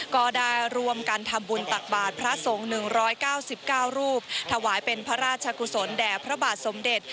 ก็ได้รวมกันทำบุญตักบาทพระสงฆ์๑๙๙รูปถวายเป็นพระราชกุศลแด่พระบาทสมเด็จ